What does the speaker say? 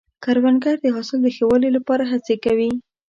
کروندګر د حاصل د ښه والي لپاره هڅې کوي